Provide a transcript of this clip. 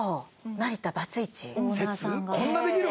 成田バツイチ？